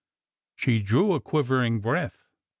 She drew a quivering breath.